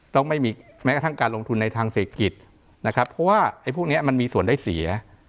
ต้องไม่มีแม้กระทั่งการลงทุนในทางเศรษฐกิจนะครับเพราะว่าไอ้พวกนี้มันมีส่วนได้เสีย